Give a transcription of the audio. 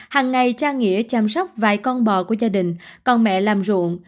hằng ngày cha nghĩa chăm sóc vài con bò của gia đình còn mẹ làm ruộng